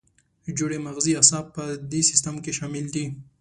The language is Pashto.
جوړې مغزي اعصاب په دې سیستم کې شامل دي.